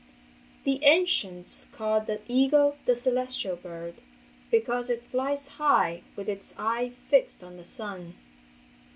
The ancients called the eagle the celestial bird because it flies high with its eye fixed on the sun.